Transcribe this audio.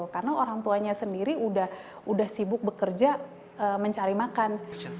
karena orang tuanya sendiri sudah sibuk bekerja mencari makan